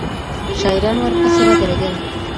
شاعران ورپسي ودرېدل